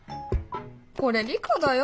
これ理科だよ